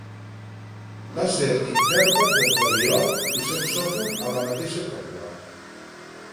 Va ser intèrpret de flabiol i saxòfon a la mateixa cobla.